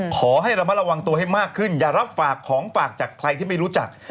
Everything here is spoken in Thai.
ขอให้ระมัดระวังตัวให้มากขึ้นอย่ารับฝากของฝากจากใครที่ไม่รู้จัก